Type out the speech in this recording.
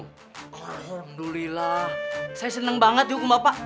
alhamdulillah saya seneng banget dihukum bapak